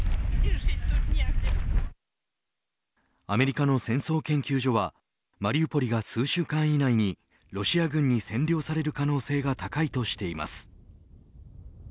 アメリカの戦争研究所はマリウポリが数週間以内にロシア軍に占領される可能性が高いとしています。